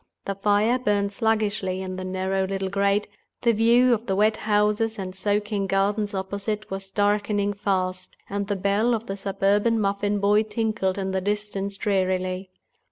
The fire burned sluggishly in the narrow little grate; the view of the wet houses and soaking gardens opposite was darkening fast; and the bell of the suburban muffin boy tinkled in the distance drearily.